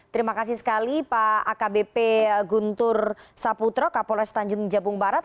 terima kasih sekali pak akbp guntur saputro kapolres tanjung jabung barat